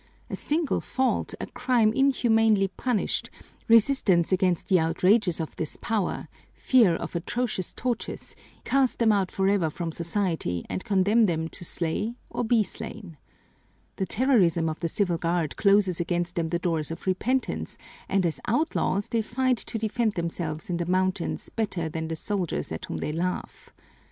A single fault, a crime inhumanly punished, resistance against the outrages of this power, fear of atrocious tortures, east them out forever from society and condemn them to slay or be slain. The terrorism of the Civil Guard closes against them the doors of repentance, and as outlaws they fight to defend themselves in the mountains better than the soldiers at whom they laugh.